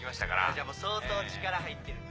じゃあ相当力入ってると。